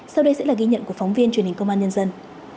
sau đây sẽ là ghi nhận của phóng viên truyền hình công an nhân dân